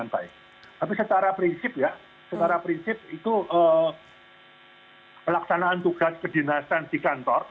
tapi secara prinsip ya secara prinsip itu pelaksanaan tugas kedinasan di kantor